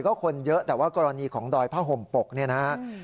ก็คนเยอะแต่ว่ากรณีของดอยผ้าห่มปกเนี่ยนะฮะ